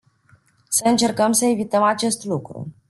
Să încercăm să evităm acest lucru.